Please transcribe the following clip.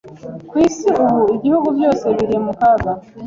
Ku isi ubu ibihugu byose biri mukaga